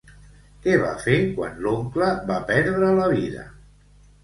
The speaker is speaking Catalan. Què va fer quan l'oncle va perdre la vida?